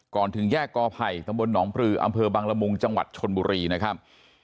ถึงแยกกอไผ่ตำบลหนองปลืออำเภอบังละมุงจังหวัดชนบุรีนะครับ